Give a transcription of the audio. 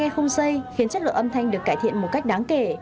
không dây khiến chất lượng âm thanh được cải thiện một cách đáng kể